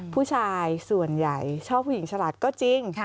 ผู้ชายส่วนใหญ่ชอบผู้หญิงฉลาดก็จริง